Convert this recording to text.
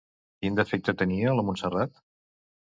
Quin defecte tenia, la Montserrat?